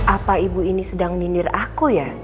apa ibu ini sedang nyindir aku ya